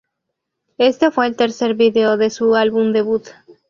Este fue el tercer vídeo de su álbum debut.